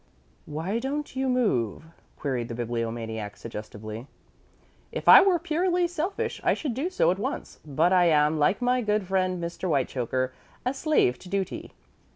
"Why don't you move?" queried the Bibliomaniac, suggestively. "If I were purely selfish I should do so at once, but I am, like my good friend Mr. Whitechoker, a slave to duty.